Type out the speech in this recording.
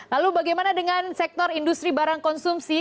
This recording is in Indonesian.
lalu bagaimana dengan sektor industri barang konsumsi